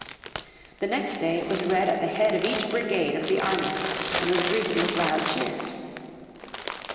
The next day it was read at the head of each brigade of the army, and was greeted with loud cheers.